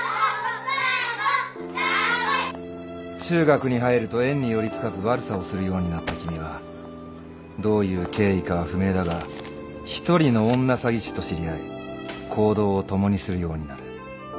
中学に入ると園に寄り付かず悪さをするようになった君はどういう経緯かは不明だが１人の女詐欺師と知り合い行動を共にするようになる。